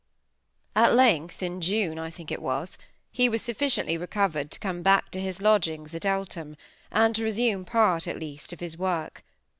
At length, in June I think it was, he was sufficiently recovered to come back to his lodgings at Eltham, and resume part at least of his work.